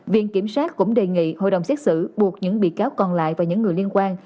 viện kiểm sát cũng đề nghị hội đồng xét xử buộc những bị cáo còn lại và những người liên quan